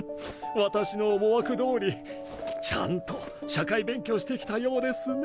私の思惑どおりちゃんと社会勉強してきたようですね。